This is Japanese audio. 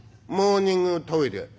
「モーニングトイレ」。